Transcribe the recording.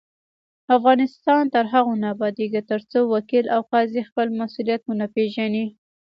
افغانستان تر هغو نه ابادیږي، ترڅو وکیل او قاضي خپل مسؤلیت ونه پیژني.